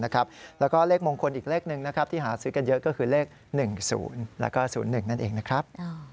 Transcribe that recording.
๕๙๖๐นะครับและเลขมงคลอีกเล็กหนึ่งนะครับ